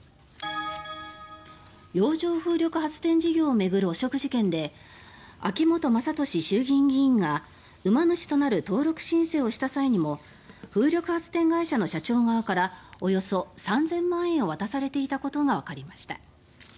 洋上風力発電事業を巡る汚職事件で秋本真利衆議院議員が馬主となる登録申請をした際にも風力発電会社の社長側からおよそ３０００万円を渡されていたことがわかりました。